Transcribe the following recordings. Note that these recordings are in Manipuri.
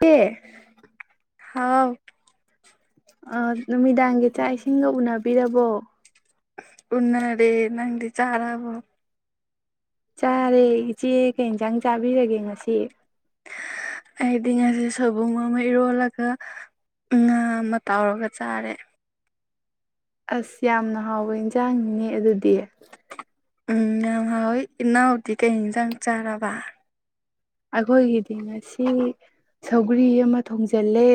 ꯀ ꯍꯥꯎ ꯑ ꯃꯤꯃꯤ ꯗꯥꯡꯒꯦ ꯆ ꯍꯥꯏ ꯏꯁꯤꯡꯒ ꯎꯅꯕꯤꯔꯕꯣ ꯎꯅꯥꯔꯦ ꯅꯗꯤ ꯆꯂ ꯥꯎ ꯆꯥꯔꯦ ꯏꯆꯦ ꯀꯩ ꯌꯦꯟꯁꯥꯡ ꯆꯥꯕꯤꯔꯒꯦ ꯉꯁꯤ ꯑꯩꯗꯤ ꯉꯁꯤ ꯁꯣꯏꯕꯨꯡ ꯑꯃ ꯏꯔꯣꯜꯂꯒ ꯉꯥ ꯑꯃ ꯇꯥꯎꯔꯒ ꯆꯥꯔꯦ ꯑꯁ ꯌꯥꯝꯅ ꯍꯥꯎꯋꯦ ꯌꯦꯟꯁꯥꯡꯅꯦ ꯑꯗꯨꯗꯤ ꯎꯝ ꯌꯥꯝ ꯍꯥꯎꯋꯤ ꯏꯅꯥꯎꯗꯤ ꯀꯩ ꯌꯦꯟꯁꯥꯡ ꯆꯥꯔꯕ ꯑꯩꯈꯣꯏꯒꯤꯗꯤ ꯉꯁꯤ ꯁꯧꯒꯔꯤ ꯑꯃ ꯊꯣꯡꯖꯤꯜꯂꯦ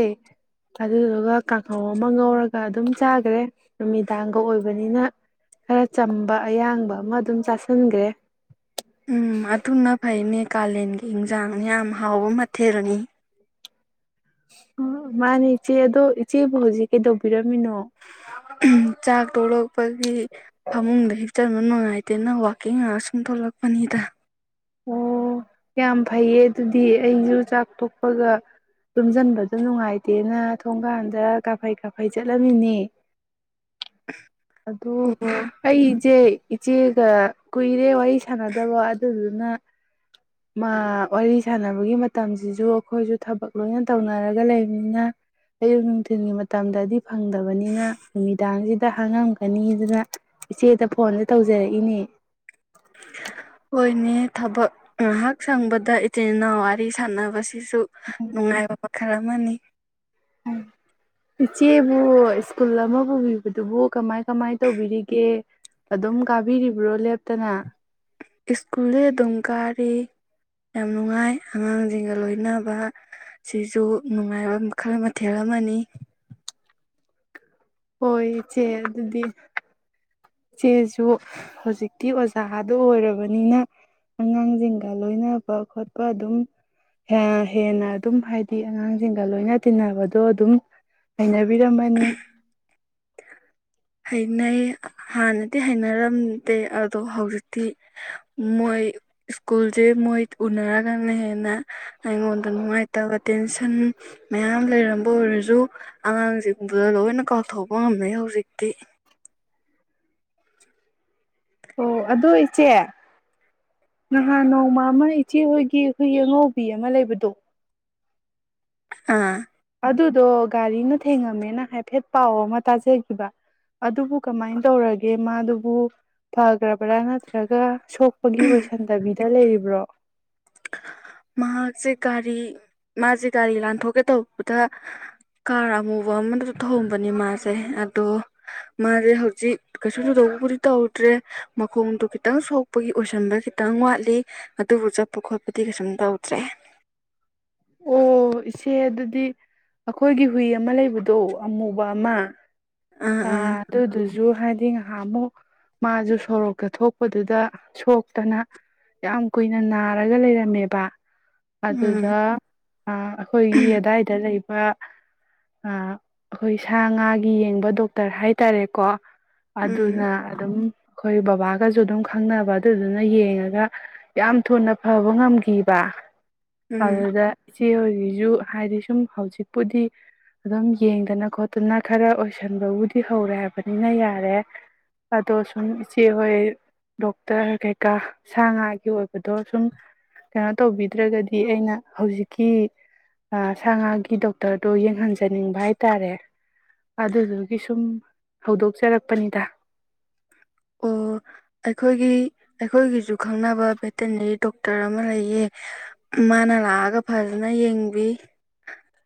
ꯑꯗꯨꯗꯨꯒ ꯀꯥꯡꯉꯧ ꯑꯃ ꯉꯧꯔꯒ ꯑꯗꯨꯝ ꯆꯥꯈ꯭ꯔꯦ ꯅꯨꯃꯤꯗꯥꯡꯒ ꯑꯣꯏꯕꯅꯤꯅ ꯈꯔ ꯆꯝꯕ ꯑꯌꯥꯡꯕ ꯑꯃ ꯑꯗꯨꯝ ꯆꯥꯥꯁꯟꯈ꯭ꯔꯦ ꯎꯝ ꯑꯗꯨꯅ ꯐꯩ ꯃꯦꯒꯥꯂꯦꯟꯒꯤ ꯏꯟꯁꯥꯡ ꯌꯥꯝ ꯍꯥꯎꯕ ꯃꯊꯦꯜꯅꯤ ꯃꯥꯅꯦ ꯏꯆꯦ ꯑꯗꯣ ꯏꯆꯦꯕꯨ ꯍꯧꯖꯤꯛ ꯀꯩꯗꯧꯕꯤꯔꯝꯃꯤꯅꯣ ꯆꯥꯛ ꯊꯣꯛꯂꯛꯄꯒꯤ ꯐꯃꯨꯡꯗ ꯍꯦꯛꯆꯟꯕ ꯅꯨꯡꯉꯥꯏꯇꯦꯅ ꯋꯥꯛꯀꯤꯡ ꯉꯁꯨꯝ ꯊꯣꯛꯂꯛꯄꯅꯤꯗ ꯑꯣ ꯌꯥꯝ ꯐꯩꯌꯦ ꯑꯗꯨꯗꯤ ꯑꯩꯁꯨ ꯆꯥꯛ ꯇꯣꯛꯄꯒ ꯂꯨꯝꯁꯤꯟꯕꯗ ꯅꯨꯡꯉꯥꯏꯇꯦꯅ ꯊꯣꯡꯀꯥꯟꯗ ꯀꯥꯐꯩ ꯀꯥꯐꯩ ꯆꯠꯂꯝꯃꯤꯅꯦ ꯑꯣ ꯑꯩ ꯏꯆꯦ ꯏꯆꯦ ꯑ ꯀꯣꯏ ꯏꯦ ꯋꯥꯔꯤ ꯁꯥꯟꯅꯗꯕ ꯑꯗꯨꯗꯨ ꯋꯥꯔꯤ ꯁꯥꯟꯅꯕꯒꯤ ꯃꯇꯝꯁꯤꯁꯨ ꯑꯩꯈꯣꯏꯁꯨ ꯊꯕꯛ ꯂꯣꯏꯅ ꯇꯧꯅꯔꯒ ꯂꯩꯕꯅꯤꯅ ꯑꯌꯨꯛ ꯅꯨꯡꯊꯤꯜꯒꯤ ꯃꯇꯝꯗꯗꯤ ꯐꯪꯗꯕꯅꯤꯅ ꯅꯨꯃꯤꯗꯥꯡꯁꯤ ꯑꯇ ꯍꯥꯡꯉꯝꯒꯅꯤ ꯑꯗꯨꯅ ꯏꯆꯦꯗ ꯐꯣꯟꯗ ꯇꯧꯖꯔꯛꯏꯅꯦ ꯍꯣꯏꯅꯦ ꯊꯕꯛ ꯉꯥꯏꯍꯥꯛ ꯁꯪꯕꯗ ꯏꯆꯤꯤꯟꯜ ꯏꯅꯥꯎ ꯋꯥꯔꯤ ꯁꯥꯟꯅꯕꯁꯤ ꯁꯤꯁꯨ ꯅꯨꯡꯉꯥꯏꯕ ꯄ ꯈꯔ ꯑꯃꯅꯤ ꯏꯆꯦꯕꯨ ꯁꯀꯨꯜ ꯑꯃ ꯄꯨꯕꯤꯕꯗꯨꯕꯨ ꯀꯃꯥꯏ ꯀꯃꯥꯏ ꯇꯧꯕꯤꯔꯤꯒꯦ ꯑꯗꯨꯝ ꯀꯥꯕꯤꯔꯤꯕ꯭ꯔꯣ ꯂꯦꯞꯇꯅ ꯁ꯭ꯀꯨꯜꯗꯤ ꯑꯗꯨꯝ ꯀꯥꯔꯤ ꯌꯥꯝ ꯅꯨꯡꯉꯥꯏ ꯑꯉꯥꯡꯁꯤꯡꯒ ꯂꯣꯏꯅꯕ ꯁꯤꯁꯨ ꯅꯨꯡꯉꯥꯏꯕ ꯃꯈꯜ ꯃꯊꯦꯜ ꯑꯃꯅꯤ ꯍꯣꯏ ꯏꯆꯦ ꯑꯗꯨꯗꯤ ꯆꯦꯁꯨ ꯍꯧꯖꯤꯛꯇꯤ ꯑꯣꯖꯥꯗ ꯑꯣꯏꯔꯕꯅꯤꯅ ꯑꯉꯥꯡꯁꯤꯡꯒ ꯂꯣꯏꯅꯕ ꯈꯣꯠꯄ ꯑꯗꯨꯝ ꯍꯦꯟꯅ ꯑꯗꯨꯝ ꯍꯥꯏꯗꯤ ꯑꯉꯥꯡꯁꯤꯡꯒ ꯂꯣꯏꯅ ꯇꯤꯟꯅꯕꯗꯣ ꯑꯗꯨꯝ ꯍꯩꯅꯕꯤꯔꯝꯃꯅꯤ ꯍꯩꯅꯩ ꯍꯥꯟꯅꯗꯤ ꯍꯩꯅꯔꯝꯗꯦ ꯑꯗꯣ ꯍꯧꯖꯤꯛꯇꯤ ꯃꯣꯏ ꯁ꯭ꯀꯨꯜꯁꯦ ꯃꯣꯏ ꯎꯅꯔꯒꯅ ꯍꯦꯟꯅ ꯑꯩꯉꯣꯟꯗ ꯅꯨꯡꯉꯥꯏꯇꯕ ꯇꯦꯟꯁꯟ ꯃꯌꯥꯝ ꯂꯩꯔꯝꯕ ꯑꯣꯏꯔꯁꯨ ꯑꯉꯥꯡꯁꯤꯡꯗꯨꯗ ꯂꯣꯏꯅ ꯀꯥꯎꯊꯣꯛꯄ ꯉꯝꯅꯩ ꯍꯧꯖꯤꯛꯇꯤ ꯀ ꯑꯣ ꯑꯗꯣ ꯏꯆꯦ ꯉꯍꯥꯟ ꯅꯣꯡ ꯃꯥꯃ ꯏꯆꯦꯍꯣꯏꯒꯤ ꯑꯩꯈꯣꯏ ꯌꯦꯉꯧꯕꯤ ꯑꯃ ꯂꯩꯕꯗꯣ ꯑꯥ ꯑꯗꯨꯗꯣ ꯒꯥꯔꯤꯅ ꯊꯦꯡꯉꯝꯃꯦꯅ ꯍꯥꯏꯐꯦꯠ ꯄꯥꯎ ꯑꯃ ꯇꯥꯖꯈꯤꯕ ꯑꯗꯨꯕꯨ ꯀꯃꯥꯏꯅ ꯇꯧꯔꯒꯦ ꯃꯥꯗꯨꯕꯨ ꯐꯈ꯭ꯔꯕ꯭ꯔꯥ ꯅꯠꯇ꯭ꯔꯒ ꯁꯣꯛꯄꯒꯤ ꯑꯣꯏꯁꯟꯗꯕꯤꯗ ꯂꯩꯔꯤꯕ꯭ꯔꯣ ꯃꯍꯥꯛꯁꯦ ꯒꯥꯔꯤ ꯃꯥꯁꯦ ꯒꯥꯔꯤ ꯂꯥꯟꯊꯣꯛꯀꯦ ꯇꯧꯕꯗ ꯀꯥꯔ ꯑꯃꯨꯕ ꯑꯃꯗꯁꯨ ꯊꯝꯕꯅꯦ ꯃꯥꯁꯦ ꯑꯗꯣ ꯃꯥꯁꯦ ꯍꯧꯖꯤꯛ ꯀꯩꯁꯨ ꯆꯨꯗꯧꯕꯕꯨꯗꯤ ꯇꯧꯗ꯭ꯔꯦ ꯃꯈꯣꯡꯗꯣ ꯈꯤꯇꯪ ꯁꯣꯛꯄꯒꯤ ꯑꯣꯏꯁꯟꯕ ꯈꯤꯇꯪ ꯋꯥꯠꯂꯤ ꯑꯗꯨꯕꯨ ꯆꯠꯄ ꯈꯣꯠꯄꯗꯤ ꯀꯩꯁꯨꯝ ꯇꯧꯗ꯭ꯔꯦ ꯑꯣ ꯏꯆꯦ ꯑꯗꯨꯗꯤ ꯑꯩꯈꯣꯏꯒꯤ ꯍꯨꯏ ꯑꯃ ꯂꯩꯕꯗꯣ ꯑꯃꯨꯕ ꯑꯃ ꯑꯥ ꯑ ꯑꯥ ꯑꯗꯨ ꯑꯗꯨ ꯁꯨ ꯍꯥꯏꯗꯤ ꯉꯥꯏꯍꯥꯛ ꯑꯃꯨꯛ ꯃꯥꯁꯨ ꯁꯣꯔꯣꯛꯇ ꯊꯣꯛꯄꯗꯨꯗ ꯁꯣꯛꯇꯅ ꯌꯥꯝ ꯀꯨꯏꯅ ꯅꯥꯔꯒ ꯂꯩꯔꯝꯃꯦꯕ ꯎꯝ ꯑꯗꯨꯗ ꯑꯩꯈꯣꯏꯒꯤ ꯑꯗꯥꯏꯗ ꯂꯩꯕ ꯑꯩꯈꯣꯏ ꯁꯥ ꯉꯥꯒꯤ ꯌꯦꯡꯕ ꯗꯣꯛ ꯇꯔ ꯍꯥꯏꯇꯥꯔꯦꯀꯣ ꯎꯝ ꯑꯗꯨꯅ ꯑꯗꯨꯝ ꯑꯩꯈꯣꯏ ꯕꯕꯥꯒꯁꯨ ꯑꯗꯨꯝ ꯈꯪꯅꯕ ꯑꯗꯨꯗꯨꯅ ꯌꯦꯡꯉꯒ ꯌꯥꯝ ꯊꯨꯅ ꯐꯕ ꯉꯝꯈꯤꯕ ꯎꯝ ꯑꯗꯨꯗ ꯏꯆꯦ ꯍꯥꯏꯗꯤ ꯁꯨꯝ ꯍꯧꯖꯤꯛꯄꯨꯗꯤ ꯑꯗꯨꯝ ꯌꯦꯡꯗꯅ ꯈꯣꯠꯇꯅ ꯈꯔ ꯑꯣꯏꯁꯟꯕꯕꯨ ꯤ ꯍꯧꯔꯦ ꯍꯥꯏꯕꯅꯤꯅ ꯌꯥꯔꯦ ꯑꯗꯣ ꯁꯨꯝ ꯏꯆꯦꯍꯣꯏ ꯗꯣꯛꯇꯔ ꯀꯩꯀꯥ ꯁꯥ ꯉꯥꯒꯤ ꯑꯣꯏꯕꯗꯣ ꯁꯨꯝ ꯀꯩꯅꯣ ꯇꯧꯕꯤꯗ꯭ꯔꯒꯗꯤ ꯑꯩꯅ ꯍꯧꯖꯤꯛꯀꯤ ꯁꯥ ꯉꯥꯒꯤ ꯗꯣꯛꯇꯔꯗꯣ ꯌꯦꯡꯍꯟꯖꯅꯤꯡꯕ ꯍꯥꯏꯇꯥꯔꯦ ꯑꯗꯨꯗꯨ ꯁꯨꯝ ꯍꯧꯗꯣꯛꯆꯔꯛꯄꯅꯤꯗ ꯑꯣ ꯑꯩꯈꯣꯏꯒꯤ ꯑꯩꯈꯣꯏꯒꯤꯁꯨ ꯈꯪꯅꯕ ꯚꯦꯇꯤꯅꯔꯤ ꯗꯣꯛꯇꯔ ꯑꯃ ꯂꯩꯌꯦ ꯃꯥꯅ ꯂꯥꯛꯑꯒ ꯐꯖꯅ ꯌꯦꯡꯕꯤ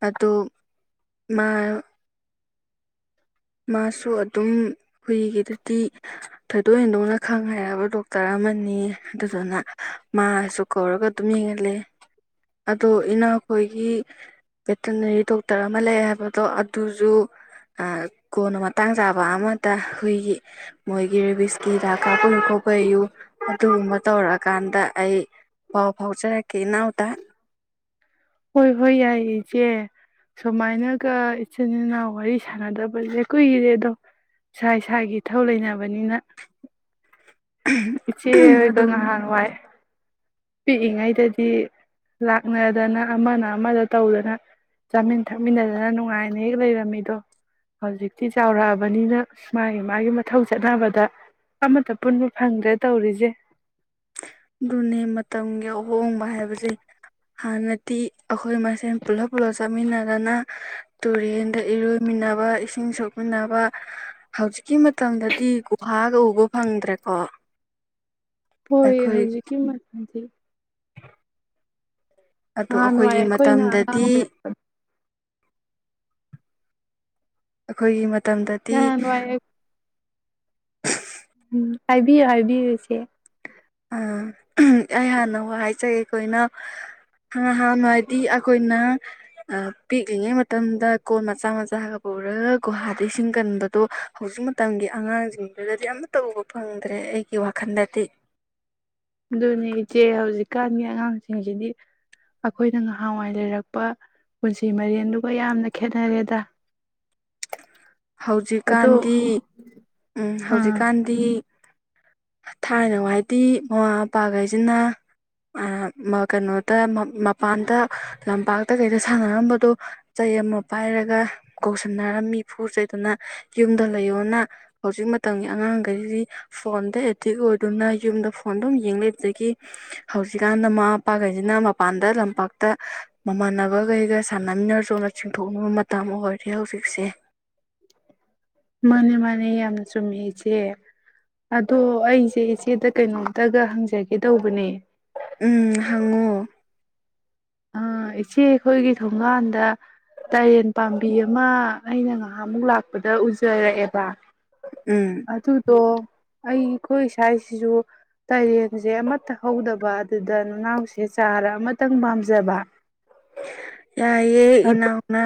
ꯑ ꯃꯥ ꯃꯥꯁꯨ ꯑꯗꯨꯝ ꯍꯨꯏꯒꯤꯗꯗꯤ ꯊꯣꯏꯗꯣꯛ ꯍꯦꯟꯗꯣꯛꯅ ꯈꯪ ꯍꯥꯏꯔꯕ ꯗꯣꯛꯇꯔ ꯑꯃꯅꯤ ꯑꯗꯨꯗꯨꯅ ꯃꯥꯁꯨ ꯀꯧꯔꯒ ꯑꯗꯨꯝ ꯌꯦꯡꯍꯂ° ꯑꯗꯣ ꯏꯅꯥꯈꯣꯏꯒꯤ ꯚꯦꯇꯅꯔꯤ ꯗꯣꯛꯇꯔ ꯑꯃ ꯂꯩ ꯍꯥꯏꯕꯗꯣ ꯑꯗꯨꯁꯨ ꯀꯣꯟꯅ ꯃꯇꯥꯡ ꯆꯥꯕ ꯑꯃꯗ ꯍꯨꯏꯒꯤ ꯃꯣꯏꯒꯤ ꯔꯦꯕꯤꯁꯀꯤ ꯍꯤꯗꯥꯛ ꯀꯥꯞꯄꯌꯨ ꯈꯣꯠꯄꯌꯨ ꯑꯗꯨꯒꯨꯝꯕ ꯇꯧꯔꯛꯑꯀꯥꯟꯗ ꯑꯩ ꯄꯥꯎ ꯐꯥꯎꯖꯔꯛꯀꯦ ꯏꯅꯥꯎꯗ ꯍꯣꯏ ꯍꯣꯏ ꯌꯥꯏ ꯏꯆꯦ ꯁꯨꯃꯥꯏꯅꯒ ꯏꯆꯤꯟ ꯏꯅꯥꯎ ꯋꯥꯔꯤ ꯁꯥꯟꯅꯗꯕꯁꯦ ꯀꯨꯏꯔꯦ ꯑꯗꯣ ꯏꯁꯥ ꯏꯁꯥꯒꯤ ꯏꯊꯧ ꯂꯩꯅꯕꯅꯤꯅ ꯏꯆꯦ ꯍꯣꯏꯒ ꯑꯗꯨꯝ ꯉꯥꯍꯥꯜ ꯋꯥꯏ ꯄꯤꯛꯏꯉꯩꯗꯗꯤ ꯂꯥꯛꯅꯗꯅ ꯑꯃꯅ ꯑꯃꯗ ꯇꯧꯗꯅ ꯆꯥꯃꯤꯟ ꯊꯛꯃꯤꯟꯅꯗꯅ ꯅꯨꯡꯉꯥꯏꯅ ꯍꯦꯛ ꯂꯩꯔꯝꯃꯤꯗꯣ ꯍꯧꯖꯤꯛꯇꯤ ꯆꯥꯎꯔꯛꯑꯕꯅꯤꯅ ꯃꯥꯒꯤ ꯃꯥꯒꯤ ꯃꯊꯧ ꯆꯠꯅꯕꯗ ꯑꯃꯠꯇ ꯄꯨꯟꯕ ꯐꯪꯗ꯭ꯔꯦ ꯇꯧꯔꯤꯁꯦ ꯑꯗꯨꯅꯦ ꯃꯇꯝꯒꯤ ꯑꯍꯣꯡꯕ ꯍꯥꯏꯕꯁꯦ ꯍꯥꯟꯅꯗꯤ ꯑꯩꯈꯣꯏ ꯃꯁꯦꯟ ꯄꯨꯂꯞ ꯄꯨꯂꯞ ꯆꯥꯃꯤꯟꯅꯗꯅ ꯇꯨꯔꯦꯟꯗ ꯏꯔꯣꯏꯃꯤꯟꯅꯕ ꯏꯁꯤꯡ ꯁꯣꯛꯃꯤꯟꯅꯕ ꯍꯧꯖꯤꯛꯀꯤ ꯈꯤꯇꯪꯗꯗꯤ ꯒꯨꯍꯥꯒ ꯎꯕ ꯐꯪꯗ꯭ꯔꯦꯀꯣ ꯍꯣꯏ ꯑꯩꯈꯣꯏ ꯍꯧꯖꯤꯛꯀꯤꯗꯤ ꯑꯣ ꯅꯍꯥꯟꯋꯥꯏ ꯑꯩꯈꯣꯏꯒꯤ ꯑꯩꯈꯣꯏꯅ ꯑꯉꯥꯡ ꯃꯇꯝꯗꯗꯤ ꯑꯣꯏꯔ ꯑꯩꯈꯣꯏꯒꯤ ꯃꯇꯝꯗꯗꯤ ꯅꯍꯥꯟꯋꯥꯏ ꯍꯥꯏꯕꯤꯌꯨ ꯍꯥꯏꯕꯤꯌꯨꯁꯦ ꯑꯩ ꯍꯥꯟꯅ ꯍꯥꯏꯖꯒꯦ ꯑꯩꯈꯣꯏꯅꯥꯟ ꯍꯥꯟꯅ ꯍꯥꯏꯗꯤ ꯑꯩꯈꯣꯏꯅ ꯄꯤꯛꯂꯤꯉꯩ ꯃꯇꯝꯗ ꯀꯣꯣꯟ ꯃꯆꯥ ꯃꯆꯥꯒ ꯄꯨꯔꯒ ꯒꯨꯍꯥꯗꯒꯤ ꯏꯁꯤꯡ ꯀꯟꯕꯗꯣ ꯍꯧꯖꯤꯛ ꯃꯇꯝꯒꯤ ꯑꯉꯥꯡꯁꯤꯡꯗꯨꯗꯗꯤ ꯑꯃꯇ ꯎꯕ ꯐꯪꯗ꯭ꯔꯦ ꯑꯩꯒꯤ ꯋꯥꯈꯜꯗꯗꯤ ꯑꯗꯨꯅꯦ ꯏꯆꯦ ꯍꯧꯖꯤꯛꯀꯥꯟꯒꯤ ꯑꯉꯥꯡꯁꯤꯡꯁꯤꯗꯤ ꯑꯩꯈꯣꯏꯅ ꯉꯍꯥꯟꯋꯥꯏ ꯂꯩꯔꯛꯄ ꯄꯨꯟꯁꯤ ꯃꯔꯦꯟꯗꯨꯒ ꯌꯥꯝꯅ ꯈꯦꯅꯔꯦꯗ ꯍꯧꯖꯤꯛꯀꯥꯟꯗꯤ ꯎꯝ ꯑꯥ ꯍꯧꯖꯤꯛꯀꯥꯟꯗꯤ ꯊꯥꯏꯅ ꯍꯥꯏꯗꯤ ꯃꯃꯥ ꯃꯄꯥꯈꯩꯁꯤꯅ ꯀꯩꯅꯣꯗ ꯃꯄꯥꯟꯗ ꯂꯝꯄꯥꯛ ꯇ ꯀꯩꯗ ꯁꯥꯟꯅꯔꯝꯕꯗꯨꯣ ꯆꯩ ꯑꯃ ꯄꯥꯏꯔꯒ ꯀꯧꯁꯟꯅꯔꯝꯃꯤ ꯐꯨ ꯆꯩꯗꯅ ꯌꯨꯝꯗ ꯂꯩꯌꯣꯅ ꯍꯧꯖꯤꯛ ꯃꯇꯝꯒꯤ ꯑꯉꯥꯡꯈꯩꯁꯤ ꯐꯣꯟꯗ ꯑꯦꯗꯤꯛ ꯑꯣꯏꯗꯨꯅ ꯌꯨꯝꯗ ꯐꯣꯟ ꯑꯗꯨꯝ ꯌꯦꯡꯕꯗꯒꯤ ꯍꯧꯖꯤꯛꯀꯥꯟꯗ ꯃꯃꯥ ꯃꯄꯥꯈꯩꯁꯤꯅ ꯃꯄꯥꯟꯗ ꯂꯝꯄꯥꯛꯇ ꯃꯃꯥꯟꯅꯕꯈꯩꯒ ꯁꯥꯟꯅꯃꯤꯟꯅ ꯆꯣꯅ ꯆꯤꯡꯊꯣꯛꯅꯕ ꯃꯇꯝ ꯑꯣꯏꯔꯦ ꯍꯧꯖꯤꯛꯁꯦ ꯃꯥꯅꯦ ꯃꯥꯅꯦ ꯌꯥꯝ ꯆꯨꯝꯃꯦ ꯏꯆꯦ ꯑꯗꯣ ꯑꯩꯁꯦ ꯏꯆꯦꯗ ꯀꯩꯅꯣꯝꯇꯒ ꯍꯪꯖꯒꯦ ꯇꯧꯕꯅꯦ ꯎꯝ ꯍꯪꯉꯣ ꯏꯆꯦ ꯑꯩꯈꯣꯏꯒꯤ ꯊꯣꯡꯒꯥꯟꯗ ꯇꯔꯦꯟ ꯄꯥꯝꯕꯤ ꯑꯃ ꯑꯩꯅ ꯉꯥꯏꯍꯥꯥꯛꯃꯨꯛ ꯂꯥꯛꯄꯗ ꯎꯖꯔꯛꯑꯦꯕ ꯎꯝ ꯑꯗꯨꯗꯣ ꯑꯩ ꯑꯩꯈꯣꯏ ꯏꯁꯥꯁꯤꯁꯨ ꯇꯔꯦꯟꯁꯦ ꯑꯃꯠꯇ ꯍꯧꯗꯕ ꯑꯗꯨꯗ ꯅꯅꯥꯎꯁꯦ ꯆꯥꯔ ꯑꯃꯇꯪ ꯄꯥꯝꯖꯕ ꯌꯥꯦ ꯏꯅ ꯑꯗꯣ ꯎꯅ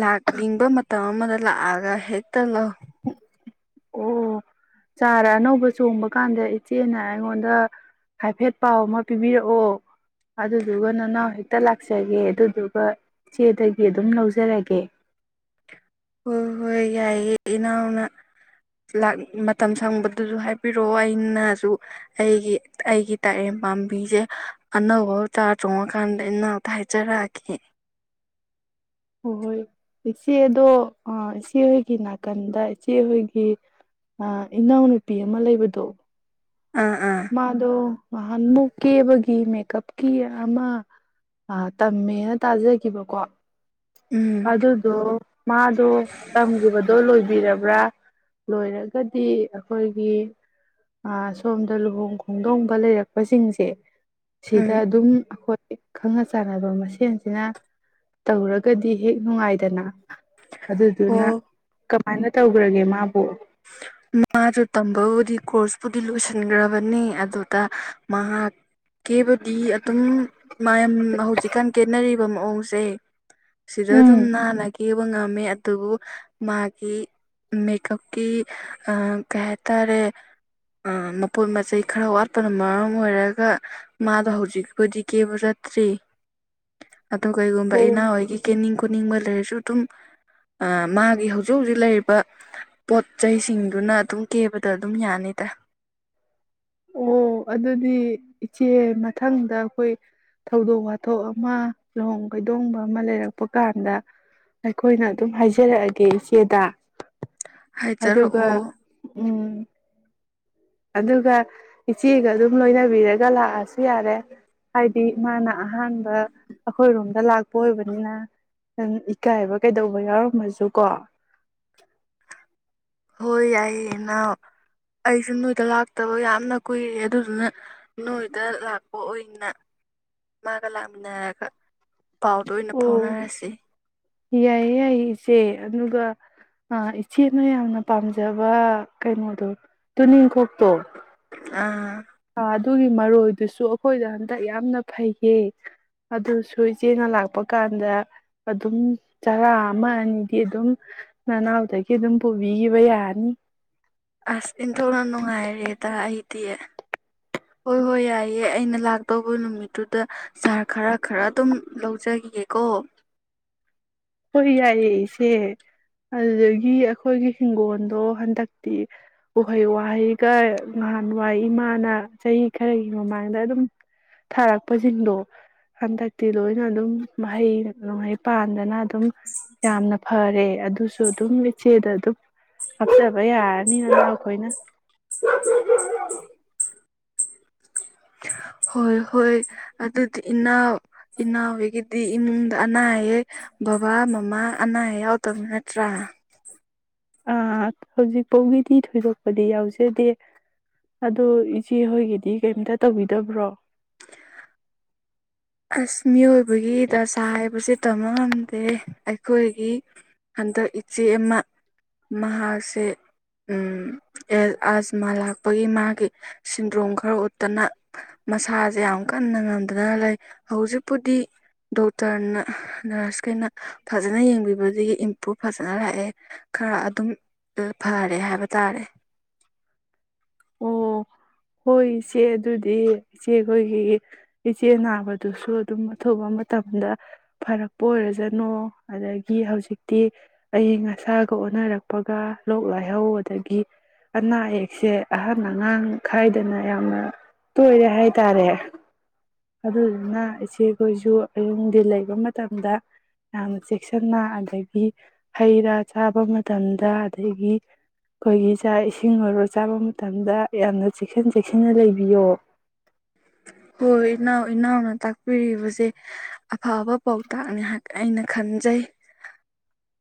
ꯂꯥꯛꯅꯤꯡꯕ ꯃꯇꯝ ꯑꯃꯗ ꯂꯥꯛꯑꯒ ꯍꯦꯛꯇ ꯂꯧ ꯑꯣ ꯆꯥꯔ ꯑꯅꯧꯕ ꯆꯣꯡꯕ ꯀꯥꯟꯗ ꯏꯆꯦꯅ ꯑꯩꯉꯣꯟꯗ ꯍꯥꯏꯐꯦꯠ ꯄꯥꯎ ꯑꯃ ꯄꯤꯕꯤꯔꯛꯑꯣ ꯑꯗꯨꯗ ꯑꯗꯨ ꯎꯒꯅꯅꯥ ꯍꯦꯛꯇ ꯑꯇ ꯂꯥꯛꯆꯒꯦ ꯑꯗꯨꯗꯨꯒ ꯏꯆꯦꯗꯒꯤ ꯑꯗꯨꯝ ꯂꯧꯖꯔꯒꯦ ꯍꯣꯏ ꯍꯣꯏ ꯌꯥꯏꯑꯦ ꯏꯅꯥꯎꯅ ꯃꯇꯝ ꯁꯪꯕꯗꯨꯁꯨ ꯍꯥꯏꯕꯤꯔꯛꯑꯣ ꯑꯩꯅꯁꯨ ꯑꯩꯒꯤ ꯑꯩꯒꯤ ꯇꯥꯏꯔꯦꯝ ꯄꯥꯝꯕꯤꯁꯦ ꯑꯅꯧꯕ ꯆꯥꯔ ꯆꯣꯡꯉꯀꯥꯟꯗ ꯏꯅꯥꯎꯛꯇ ꯍꯥꯏꯖꯔꯛꯑꯒꯦ ꯍꯣꯏ ꯍꯣꯏ ꯏꯆꯦꯗꯣ ꯏꯆꯦꯍꯣꯏꯒꯤ ꯅꯥꯀꯟꯗ ꯏꯆꯦꯍꯣꯏꯒꯤ ꯏꯅꯥꯎꯅꯨꯄꯤ ꯑꯃ ꯂꯩꯕꯗꯣ ꯑ ꯃꯥꯗꯣ ꯅꯍꯥꯟ ꯃꯨꯛ ꯀꯦꯕꯒꯤ ꯃꯦꯀꯞꯀꯤ ꯑꯃ ꯇꯝꯃꯦꯅ ꯇꯥꯖꯈꯤꯕꯀꯣ ꯎꯝ ꯑꯗꯨꯗꯣ ꯃꯥꯗꯣ ꯇꯝꯈꯤꯕꯗꯣ ꯂꯣꯏꯕꯤꯔꯕ ꯂꯣꯏꯔꯒꯗꯤ ꯑꯩꯈꯣꯏꯒꯤꯣ ꯂꯨꯍꯣꯡ ꯈꯣꯡꯗꯣꯡꯕ ꯂꯩꯔꯛꯄꯁꯤꯡꯁꯦ ꯎꯝ ꯁꯤꯗ ꯑꯗꯨꯝ ꯑꯩꯈꯣꯏ ꯈꯪꯅ ꯆꯥꯟꯅꯕ ꯃꯁꯦꯟꯁꯤꯅ ꯇꯧꯔꯒꯗꯤ ꯍꯦꯛ ꯅꯨꯡꯉꯥꯏꯗꯅ ꯑꯗ ꯑꯗꯨ ꯅ ꯑꯣ ꯀꯨꯃꯥꯏꯅ ꯇꯧꯈ꯭ꯔꯒꯦ ꯃꯥꯕꯨ ꯃꯥꯁꯨ ꯇꯝꯕꯕꯨꯗꯤ ꯀꯣꯔꯁꯄꯨꯗꯤ ꯂꯣꯏꯁꯤꯟꯈ꯭ꯔꯕꯅꯦ ꯑꯗꯨꯗ ꯃꯍꯥꯛ ꯀꯦꯕꯨꯗꯤ ꯑꯗꯨꯝ ꯃꯌꯥꯝ ꯍꯧꯖꯤꯛꯀꯥꯟ ꯈꯦꯅꯔꯤꯕ ꯃꯑꯣꯡꯁꯦ ꯁꯤꯗ ꯑꯗꯨꯝ ꯎꯝ ꯅꯥꯅꯒꯦ ꯉꯝ ꯑꯗꯨꯕꯨ ꯃꯥꯒꯤ ꯃꯦꯀꯞ ꯀꯩ ꯍꯥꯏꯇꯥꯔꯦ ꯃꯄꯣꯠ ꯃꯆꯩ ꯈꯔ ꯋꯥꯠꯄꯅ ꯃꯔꯝ ꯑꯣꯏꯔꯒ ꯃꯥꯗꯣ ꯍꯧꯖꯤꯛꯄꯨꯗꯤ ꯀꯦꯕ ꯆꯠꯇ꯭ꯔꯤ ꯑ ꯀꯩꯒꯨꯝꯕ ꯑꯣ ꯏꯅꯥ ꯍꯣꯏꯒꯤ ꯀꯅꯤꯡ ꯄꯨꯅꯤꯡꯕ ꯂꯩꯔꯁꯨ ꯑꯗꯨꯝ ꯃꯥꯒꯤ ꯍꯧꯖꯤꯛ ꯍꯧꯖꯤꯛ ꯂꯩꯔꯤꯕ ꯄꯣꯠ ꯆꯩꯁꯤꯡꯗꯨꯅ ꯑꯗꯨꯝ ꯀꯦꯕꯗ ꯑꯗꯨꯝ ꯌꯥꯅꯤꯗꯥꯏ ꯑꯣ ꯑꯗꯨꯗꯤ ꯏꯆꯦ ꯃꯊꯪꯗ ꯑꯩꯈꯣꯏ ꯊꯧꯗꯣꯛ ꯋꯥꯊꯣꯛ ꯑꯃ ꯂꯨꯍꯣꯡ ꯀꯩꯗꯣꯡꯕ ꯑꯃ ꯂꯩꯔꯛꯄ ꯀꯥꯟꯗ ꯑꯩꯈꯣꯏꯅ ꯑꯗꯨꯝ ꯍꯥꯏꯖꯔꯛꯑꯒꯦ ꯏꯆꯦꯗ ꯑꯗꯨꯒ ꯍꯥꯏꯖꯔꯛꯑꯣ ꯎꯝ ꯑꯗꯨꯒ ꯏꯆꯦꯒ ꯑꯗꯨꯝ ꯂꯣꯏꯅꯕꯤꯔꯒ ꯂꯥꯛꯑꯁꯨ ꯌꯥꯔꯦ ꯍꯥꯏꯗꯤ ꯃꯥꯅ ꯑꯍꯥꯟꯕ ꯑꯩꯈꯣꯏꯔꯣꯝꯗ ꯂꯥꯛꯄ ꯑꯣꯏꯕꯅꯤꯅ ꯏꯀꯥꯏꯕ ꯀꯩꯗꯧꯕ ꯌꯥꯎꯔꯝꯃꯁꯨ ꯀꯣ ꯍꯣꯏ ꯌꯥꯏꯌꯦ ꯏꯅꯥꯎ ꯑꯩꯁꯨꯦ ꯅꯣꯏꯗ ꯂꯥꯛꯇꯕ ꯌꯥꯝꯅ ꯀꯨꯏꯔꯦ ꯑꯗꯨꯗꯨꯅ ꯅꯣꯏꯗ ꯂꯥꯛꯄ ꯑꯣꯏꯅ ꯑꯣꯏꯅ ꯃꯥꯒ ꯂꯥꯛꯃꯤꯟꯅꯔꯒ ꯄꯥꯎꯗ ꯑꯣꯏꯅ ꯑꯣ ꯐꯥꯎꯅꯔꯁꯤ ꯌꯥꯏꯌꯦ ꯌꯥꯏꯌꯦ ꯏꯆꯦ ꯑꯗꯨꯒ ꯏꯆꯦꯅ ꯌꯥꯝꯅ ꯄꯥꯝꯖꯕ ꯀꯩꯅꯣꯗꯣ ꯇꯨꯅꯤꯡꯀꯣꯛꯇꯣ ꯑꯥ ꯑꯗꯨꯒꯤ ꯃꯔꯣꯏꯗꯨꯁꯨ ꯑꯩꯈꯣꯏꯗ ꯍꯟꯗꯛ ꯌꯥꯝꯅ ꯐꯩꯌꯦ ꯑꯗꯨꯁꯨ ꯏꯆꯦꯅ ꯂꯥꯛꯄ ꯀꯥꯟꯗ ꯑꯗꯨꯝ ꯆꯔꯥ ꯑꯃ ꯑꯅꯤꯗꯤ ꯑꯗꯨꯝ ꯅꯅꯥꯎꯗꯒꯤ ꯑꯗꯨꯝ ꯄꯨꯕꯤꯈꯤꯕ ꯌꯥꯅꯤ ꯑꯁ ꯏꯟꯊꯣꯛꯅ ꯅꯨꯡꯉꯥꯏꯔꯦꯗ ꯑꯩꯗꯤ ꯍꯣꯏ ꯍꯣꯏ ꯌꯥꯏꯑꯦ ꯑꯩꯅ ꯂꯥꯛꯇꯧꯕ ꯅꯨꯃꯤꯠꯇꯨꯗ ꯆꯥꯔ ꯈꯔ ꯈꯔ ꯑꯗꯨꯝ ꯂꯧꯖꯈꯤꯌꯦꯦꯀꯣ ꯍꯣꯏ ꯌꯥꯏꯌꯦ ꯏꯆꯦ ꯑꯗꯨꯗꯒꯤ ꯑꯩꯈꯣꯏꯒꯤ ꯍꯤꯡꯒꯣꯜꯗꯣ ꯍꯟꯗꯛꯇꯤ ꯎꯍꯩ ꯋꯥꯍꯩꯒ ꯅꯍꯥꯟꯋꯥꯏ ꯏꯃꯥꯅ ꯆꯍꯤ ꯈꯔꯒꯤ ꯃꯃꯥꯡꯗ ꯑꯗꯨꯝ ꯊꯥꯔꯛꯄꯁꯤꯡꯗꯣ ꯍꯟꯗꯛꯇꯤ ꯂꯣꯏꯅ ꯑꯗꯨꯝ ꯃꯍꯩꯅꯨꯡꯍꯩ ꯄꯥꯟꯗꯅ ꯑꯗꯨꯝ ꯌꯥꯝꯅ ꯐꯔꯦ ꯑꯗꯨꯁꯨ ꯑꯗꯨꯝ ꯏꯆꯦꯗ ꯑꯗꯨꯝ ꯍꯥꯞꯆꯕ ꯌꯥꯔꯅꯤꯅꯅ ꯑꯩꯈꯣꯏꯅ ꯍꯣꯏ ꯍꯣꯏ ꯑꯗꯨꯗꯤꯅꯥ ꯏꯟꯅ ꯍꯦꯒ ꯗꯤ ꯏꯃꯨꯡꯗ ꯑꯅꯥ ꯑꯌꯦꯛ ꯕꯕꯥ ꯃꯃꯥ ꯑꯅꯥ ꯑꯌꯦꯛ ꯌꯥꯎꯗꯕ ꯅꯠꯇ꯭ꯔꯥ ꯑꯥ ꯍꯧꯖꯤꯛꯐꯥꯎꯒꯤꯗꯤ ꯊꯣꯏꯗꯣꯛꯄꯗꯤ ꯌꯥꯎꯖꯗꯦ ꯑꯗꯣ ꯏꯆꯦꯍꯣꯏꯒꯤꯗꯤ ꯀꯩꯝꯇ ꯇꯧꯕꯤꯗꯕ꯭ꯔꯣ ꯑꯁ ꯃꯤꯑꯣꯏꯕꯒꯤ ꯗꯁꯥ ꯍꯥꯏꯕꯁꯤꯦ ꯇꯝ ꯉꯝꯗꯦ ꯑꯩꯈꯣꯏꯒꯤ ꯍꯟꯗꯛ ꯏꯆꯦ ꯑꯃ ꯃꯍꯥꯛꯁꯦ ꯑꯁꯃꯥ ꯂꯥꯛꯄꯒꯤ ꯃꯥꯒꯤ ꯁꯤꯟꯗ꯭ꯔꯣꯡ ꯈꯔ ꯎꯠꯇꯅ ꯃꯁꯥꯁꯦ ꯌꯥꯝ ꯀꯟꯅ ꯉꯝꯗꯅ ꯂꯩ ꯍꯧꯖꯤꯛꯄꯨꯗꯤ ꯗꯣꯛꯇꯔꯅ ꯅꯔꯁꯈꯩꯅ ꯐꯖꯅ ꯌꯦꯡꯕꯤꯕꯗꯒꯤ ꯏꯝꯄ꯭ꯔꯨꯨꯞ ꯐꯖꯅ ꯂꯥꯛꯑꯦ ꯈꯔ ꯑꯗꯨꯝ ꯐꯔꯦ ꯍꯥꯏꯕ ꯇꯥꯔꯦ ꯑꯣ ꯍꯣꯏ ꯏꯆꯦ ꯑꯗꯨꯗꯤ ꯏꯆꯦꯈꯣꯏꯒꯤ ꯏꯆꯦ ꯅꯥꯕꯗꯨꯁꯨ ꯑꯗꯨꯝ ꯑꯊꯨꯕ ꯃꯇꯝꯗ ꯐꯔꯛꯄ ꯑꯣꯏꯔꯖꯅꯨ ꯑꯗꯒꯤ ꯍꯧꯖꯤꯛꯇꯤ ꯑꯏꯪ ꯑꯁꯥꯒ ꯑꯣꯟꯅꯔꯛꯄꯒ ꯂꯣꯛ ꯂꯥꯏꯍꯧ ꯑꯗꯒꯤ ꯑꯅꯥ ꯑꯌꯦꯛꯁꯦ ꯑꯍꯟ ꯑꯉꯥꯡ ꯈꯥꯏꯗꯅ ꯌꯥꯝꯅ ꯇꯣꯏꯔꯦ ꯍꯥꯏꯇꯥꯔꯦ ꯑꯗꯨꯗꯨꯅ ꯏꯆꯦꯈꯣꯏꯁꯨ ꯑꯌꯨꯗꯤ ꯂꯩꯕ ꯃꯇꯝꯗ ꯌꯥꯝꯅ ꯆꯦꯛꯁꯤꯟꯅ ꯑꯗꯒꯤ ꯍꯩꯔꯥ ꯆꯥꯕ ꯃꯇꯝꯗ ꯑꯗꯒꯤ ꯑꯩꯈꯣꯏꯒꯤ ꯏꯁꯤꯡ ꯑꯣꯏꯔꯣ ꯆꯥꯕ ꯃꯇꯝꯗ ꯌꯥꯝꯅ ꯆꯦꯛꯁꯤꯟ ꯆꯦꯛꯁꯤꯟꯅ ꯂꯩꯕꯤꯌꯣ ꯍꯣꯏ ꯏꯅꯥꯎ ꯏꯅꯥꯎꯅ ꯇꯥꯛꯄꯤꯔꯤꯕꯁꯦ ꯑꯐꯕ ꯄꯥꯎꯇꯥꯛꯅꯤ ꯑꯩꯅ ꯈꯟꯖꯩ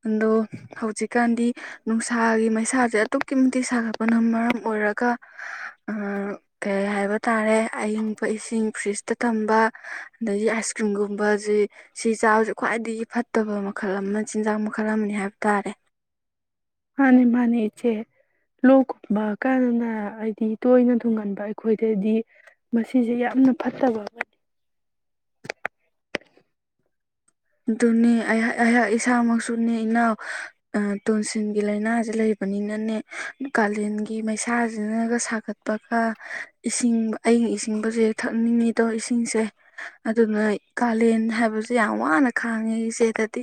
ꯑꯗꯣ ꯍꯧꯖꯤꯛꯀꯥꯟꯗꯤ ꯅꯨꯡꯁꯥꯒꯤ ꯃꯩꯁꯥꯁꯦ ꯑꯗꯨꯛꯀꯤ ꯃꯇꯤꯛ ꯁꯥꯒꯠꯄꯅ ꯃꯔꯝ ꯑꯣꯏꯔꯒ ꯀꯩ ꯍꯥꯏꯕ ꯇꯥꯔꯦ ꯑꯌꯤꯡ ꯑꯄ ꯏꯁꯤꯡ ꯐ꯭ꯔꯤꯖꯇ ꯊꯝꯕ ꯑꯗꯒꯤ ꯑꯥꯏꯁ ꯀ꯭ꯔꯤꯝꯒꯨꯝꯕꯕꯁꯤ ꯁꯤ ꯆꯥꯕꯁꯤ ꯈ꯭ꯋꯥꯏꯗꯒꯤ ꯐꯠꯇꯕ ꯃꯈꯜ ꯑꯃ ꯆꯤꯟꯖꯥꯛ ꯃꯈꯜ ꯑꯃꯅꯤ ꯍꯥꯏꯕ ꯇꯥꯔꯦ ꯃꯥꯅꯤ ꯃꯥꯅꯦ ꯏꯆꯦ ꯂꯣꯛꯀꯨꯝꯕ ꯀꯥꯟꯅꯅ ꯍꯥꯏꯗꯤ ꯇꯣꯏꯅ ꯊꯨꯡꯒꯟꯕ ꯑꯩꯈꯣꯏꯗꯗꯤ ꯃꯁꯤꯁꯦ ꯌꯥꯝꯅ ꯐꯠꯇꯕ ꯑꯃꯅꯤ ꯑꯗꯨꯅꯦ ꯑꯩꯍꯥꯛ ꯏꯁꯥꯃꯛꯁꯨꯅꯦ ꯏꯅꯥꯎ ꯇꯣꯟꯁꯤꯟꯒꯤ ꯂꯥꯏꯅꯥꯁꯦ ꯂꯩꯕꯅꯤꯅꯅꯦ ꯀꯥꯂꯦꯟꯒꯤ ꯃꯩꯁꯥꯁꯤꯅꯒ ꯁꯥꯒꯠꯄꯒ ꯏꯁꯤꯡ ꯑꯏꯪ ꯏꯁꯤꯡꯕꯁꯨ ꯍꯦꯛ ꯊꯛꯅꯤꯡꯉꯤꯗꯣ ꯏꯁꯤꯡꯁꯦ ꯑꯗꯨꯅ ꯀꯥꯂꯦꯟ ꯍꯥꯏꯕꯁꯦ ꯌꯥꯝ ꯋꯥꯅ ꯈꯥꯉꯤ ꯆꯦꯗꯗꯤ